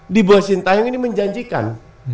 di bosintayung ini menjanjikan